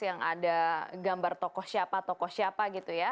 yang ada gambar tokoh siapa tokoh siapa gitu ya